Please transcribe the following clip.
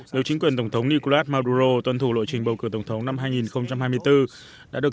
nếu chính quyền tổng thống nicolas maduro tuân thủ lộ trình bầu cử tổng thống năm hai nghìn hai mươi bốn đã được